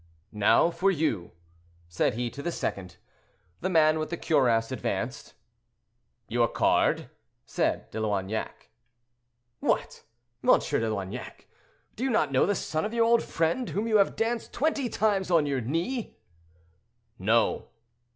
Now for you," said he to the second. The man with the cuirass advanced. "Your card?" said De Loignac. "What! M. de Loignac, do you not know the son of your old friend, whom you have danced twenty times on your knee?"—"No."